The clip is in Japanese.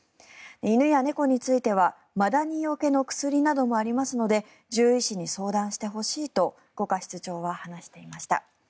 犬や猫についてはマダニよけの薬などもありますので獣医師に相談してほしいと五箇室長は話していました。